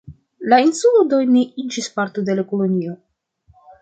La insulo do ne iĝis parto de la la kolonio.